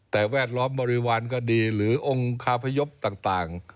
แต่แวดล้อมบริวารก็ดีหรือองค์คาพยพต่าง